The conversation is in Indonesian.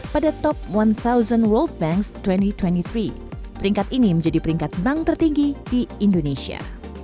pada top satu world banks dua ribu dua puluh tiga peringkat ini menjadi peringkat bank tertinggi di indonesia